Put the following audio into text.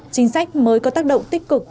chính sách mới có tác động tích cực